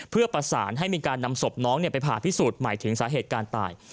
เพื่อประสานให้มีการนำศพน้องไปผ่าพิสูจน์ใหม่ถึงสาเหตุการณ์ตาย